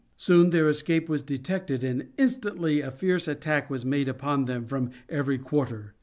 Soon their escape was detected and instantly a fierce attack was made upon them from every quarter.